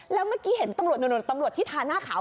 แล้วเมื่อกี้เห็นตำรวจตำรวจที่ทาหน้าขาว